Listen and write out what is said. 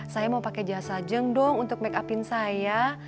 saya mau pakai jasa jeng dong untuk make upin saya